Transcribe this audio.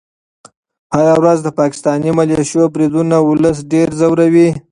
هره ورځ د پاکستاني ملیشو بریدونه ولس ډېر ځوروي.